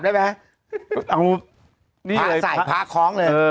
แล้วพี่หนูทำกันไง